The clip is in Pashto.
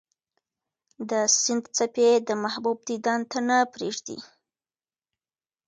د سیند څپې د محبوب دیدن ته نه پرېږدي.